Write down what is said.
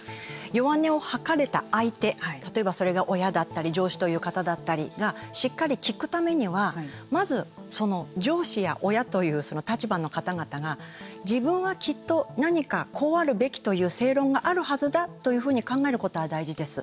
弱音を吐かれた相手例えば、それが親だったり上司という方だったりがしっかり聞くためにはまず、その上司や親という立場の方々が自分はきっと何かこうあるべきという正論があるはずだというふうに考えることは大事です。